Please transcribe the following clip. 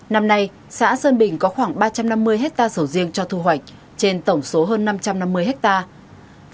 năm nay xã sơn bình có khoảng ba trăm năm mươi hectare sầu riêng cho thu hoạch trên tổng số hơn năm trăm năm mươi hectare